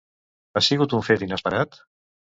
Ha sigut un fet inesperat?